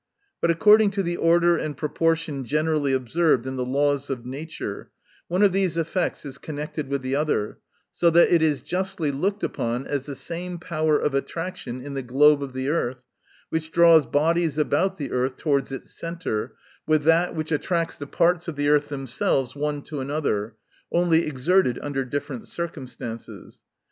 But according to the order and proportion generally observed in the laws of nature, one of these effects is connected with the other, so that it is justly looked upon as the same power of attraction in the globe of the earth, which draws bodies about the earth towards its centre, with that which attracts the parts of the earth themselves one to another ; only exerted under different circumstances.